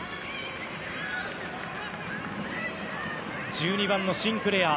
１２番のシンクレア。